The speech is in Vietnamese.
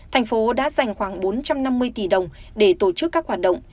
tp hcm đã dành khoảng bốn trăm năm mươi tỷ đồng để tổ chức các hoạt động